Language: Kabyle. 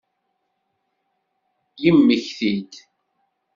Yemmekti-d.